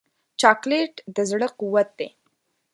چاکلېټ د زړه قوت دی.